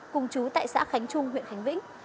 cùng chú tại xã khánh trung huyện khánh vĩnh